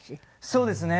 そうですね。